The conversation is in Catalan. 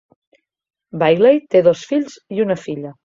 Bailey té dos fills i una filla.